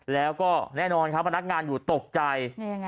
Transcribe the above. แล้วก็แน่นอนครับพนักงานอยู่ตกใจ